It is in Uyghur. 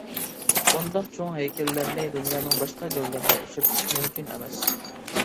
بۇنداق چوڭ ھەيكەللەرنى دۇنيانىڭ باشقا جايلىرىدا ئۇچرىتىش مۇمكىن ئەمەس.